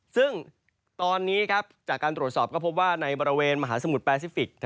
ซึ่งตอนนี้จากการตรวจสอบก็พบว่าในบริเวณมหาสมุทรแปซิฟิกส